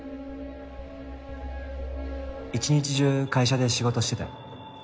一日中会社で仕事してたよ。